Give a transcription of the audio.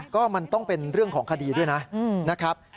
ก็มันต้องเป็นเรื่องของคดีด้วยนะครับ